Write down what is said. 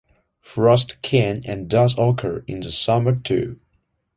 Frost can and does occur in the summer too.